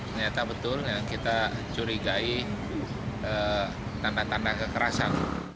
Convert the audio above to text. ternyata betul yang kita curigai tanda tanda kekerasan